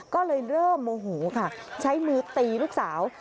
ก็เลยเริ่มโมโหค่ะใช้มือตีลูกสาว